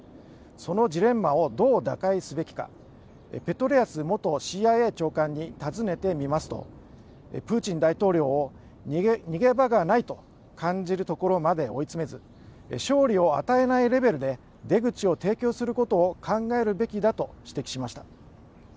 そのジレンマをどう打開すべきかペトレアス元ＣＩＡ長官に尋ねてみますとプーチン大統領を逃げ場がないと感じるところまで追い詰めず勝利を与えないレベルで出口を提供することを考えるべきだと指摘しました。